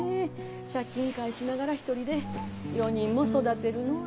借金返しながら一人で４人も育てるのは。